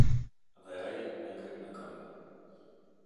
Dhe ai u ngrit në këmbë.